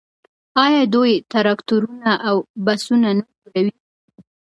آیا دوی ټراکټورونه او بسونه نه جوړوي؟